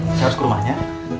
saya harus ke rumahnya